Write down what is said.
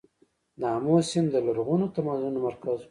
د امو سیند د لرغونو تمدنونو مرکز و